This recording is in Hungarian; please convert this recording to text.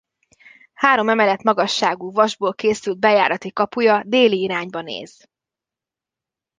Három emelet magasságú vasból készült bejárati kapuja déli irányba néz.